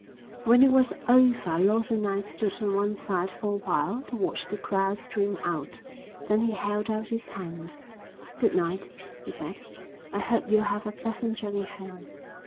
When it was over Lawson and I stood on one side for a while to watch the crowd stream out, then he held out his hand. "Good night," he said. "I hope you'll have a pleasant journey home."